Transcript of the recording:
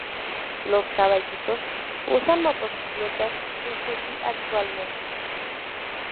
Los "caballitos" usan motocicletas Suzuki actualmente.